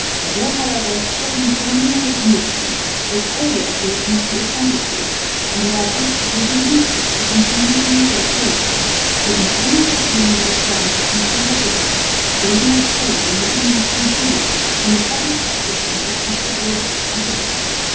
There were, however, certain preliminary conditions, which all were agreed must be assented to, and without which it would be useless to continue the negotiations. The independence of the United Provinces must be recognised, freedom of trade in the Indies conceded, and the public exercise of Catholic worship prohibited.